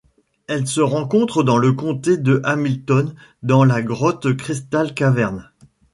Elle se rencontre dans le comté de Hamilton dans la grotte Crystal Caverns.